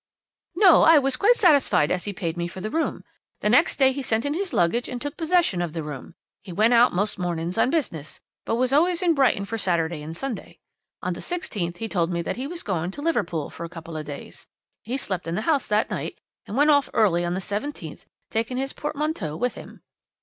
"'No, I was quite satisfied as he paid me for the room. The next day he sent in his luggage and took possession of the room. He went out most mornings on business, but was always in Brighton for Saturday and Sunday. On the 16th he told me that he was going to Liverpool for a couple of days; he slept in the house that night, and went off early on the 17th, taking his portmanteau with him.'